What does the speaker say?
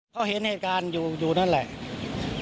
เขาเห็นเหตุการณ์อยู่นั่นแหละ